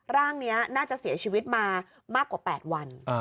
ร่างนี้น่าจะเสียชีวิตมามากกว่า๘วัน